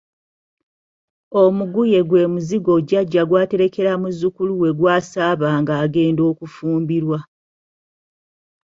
Omuguye gwe muzigo jjajja gw’aterekera muzzukulu we gw’asaaba ng’agenda okufumbirwa.